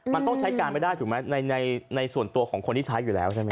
มันต้องใช้การไม่ได้ถูกไหมในส่วนตัวของคนที่ใช้อยู่แล้วใช่ไหม